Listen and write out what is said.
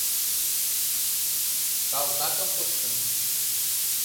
Салтакым пуштын!